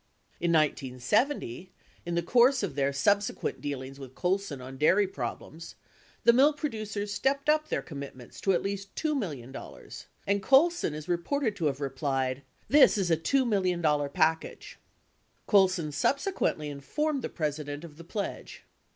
In 1970, in the course of their subsequent dealings with Colson on dairy problems, the milk producers stepped up their commitments to at least $2 million, and Colson is reported to have replied : "This is a $2 million package." Colson subsequently informed the President of the pledge.